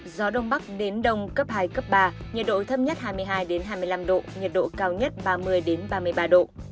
gió đông bắc đến đông cấp hai cấp ba nhiệt độ thấp nhất hai mươi hai hai mươi năm độ nhiệt độ cao nhất ba mươi ba mươi ba độ